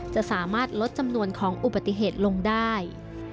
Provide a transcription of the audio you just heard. จะสามารถลดจำนวนของอุบัติเหตุลงได้